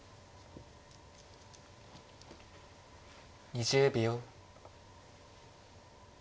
２０秒。